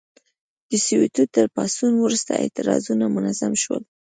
د سووېتو تر پاڅون وروسته اعتراضونه منظم شول.